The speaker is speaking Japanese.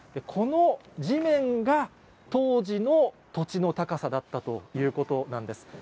この地面が当時の土地の高さだったということなんです。